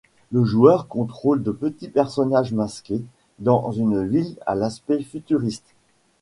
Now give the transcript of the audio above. Le joueur contrôle de petits personnages masqués dans une ville à l'aspect futuriste.